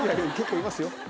結構いますよ。